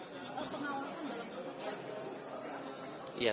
pengawasan dalam proses tersebut